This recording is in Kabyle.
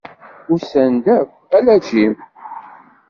Usan-d akk, ala Jim.